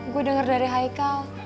gue denger dari hai kel